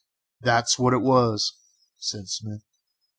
"That's what it was," said Smith.